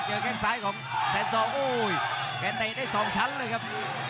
เจอแค่ซ้ายของแค่สองโอ้ยแค่ตายได้สองชั้นเลยครับ